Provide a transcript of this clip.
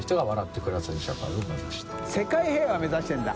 世界平和目指してるんだ。